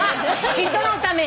人のため。